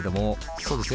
そうですね